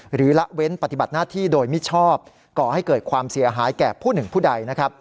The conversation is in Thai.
ละเว้นปฏิบัติหน้าที่โดยมิชอบก่อให้เกิดความเสียหายแก่ผู้หนึ่งผู้ใด